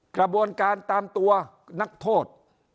กระบวนการตามตัวนักโทษ